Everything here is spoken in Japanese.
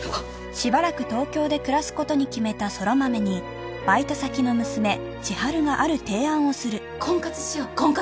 しばらく東京で暮らすことに決めた空豆にバイト先の娘千春がある提案をする婚活しよう婚活！